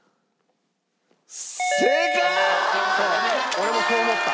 俺もそう思った。